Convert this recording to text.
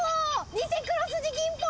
ニセクロスジギンポ。